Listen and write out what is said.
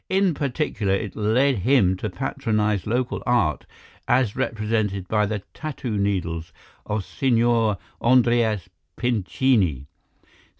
In particular it led him to patronize local art as represented by the tattoo needles of Signor Andreas Pincini.